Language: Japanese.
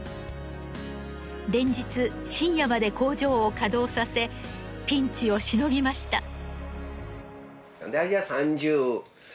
連日深夜まで工場を稼働させピンチをしのぎました。